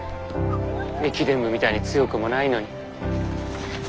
駅伝部みたいに強くもないのに。